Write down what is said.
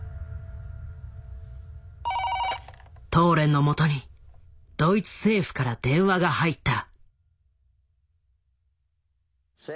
☎トーレンのもとにドイツ政府から電話が入った。